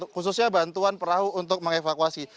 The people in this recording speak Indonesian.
khususnya bantuan perahu untuk mengevakuasi